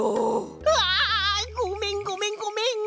うわあ！ごめんごめんごめん！